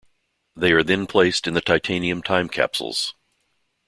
They are then placed in the titanium time capsules.